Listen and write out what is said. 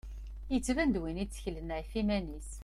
Yettban d win i tteklen ɣef yiman-is.